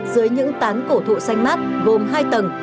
dưới những tán cổ thụ xanh mát gồm hai tầng